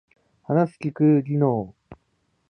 話す聞く技能